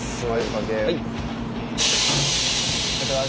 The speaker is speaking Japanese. はい。